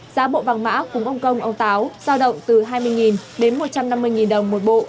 giá bộ vàng mã cùng ông công ông táo giao động từ hai mươi đến một trăm năm mươi đồng một bộ